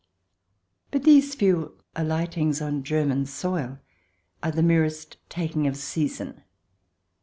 But these few alightings on German soil are the merest taking of seizin.